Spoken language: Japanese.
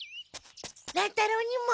乱太郎にも。